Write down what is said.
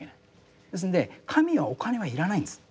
ですんで神はお金は要らないんです。